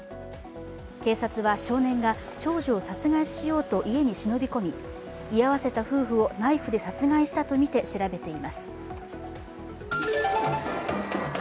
警察は、少年が長女を殺害しようと家に忍び込み居合わせた夫婦をナイフで殺害したとみて調べています。